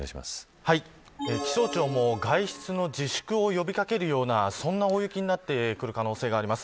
気象庁も外出の自粛を呼びかけるようなそんな大雪になってくる可能性があります。